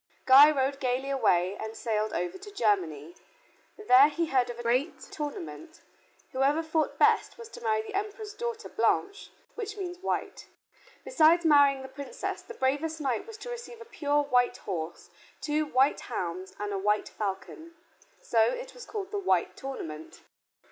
Guy rode gaily away and sailed over to Germany. There he heard of a great tournament. Whoever fought best was to marry the Emperor's daughter Blanche, which means white. Besides marrying the Princess, the bravest knight was to receive a pure white horse, two white hounds, and a white falcon. So it was called the White Tournament.